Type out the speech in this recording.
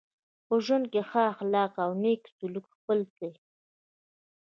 په ژوند کي ښه اخلاق او نېک سلوک خپل کئ.